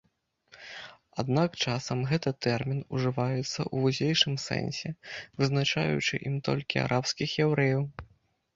Аднак часам гэты тэрмін ужываюць у вузейшым сэнсе, пазначаючы ім толькі арабскіх яўрэяў.